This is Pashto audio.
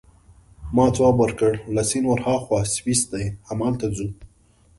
ما ځواب ورکړ: له سیند ورهاخوا سویس دی، همالته ځو.